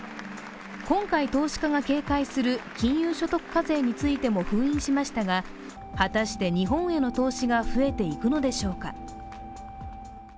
今回、投資家が警戒する金融所得課税についても封印しましたが、果たして、日本への投資が増えていくのでしょうか。